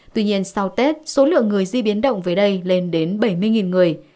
tuy nhiên sau tết số lượng người di biến động về đây lên đến bảy mươi người